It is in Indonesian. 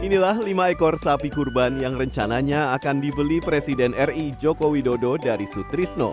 inilah lima ekor sapi kurban yang rencananya akan dibeli presiden ri joko widodo dari sutrisno